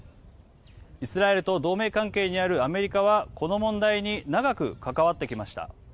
イスラエルと同盟関係にあるアメリカはこの問題に長く関わってきました。